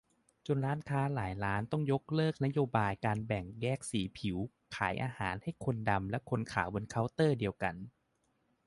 จนร้านค้าหลายร้านต้องยกเลิกนโยบายการแบ่งแยกสีผิว ขายอาหารให้คนดำและคนขาวบนเคาน์เตอร์เดียวกัน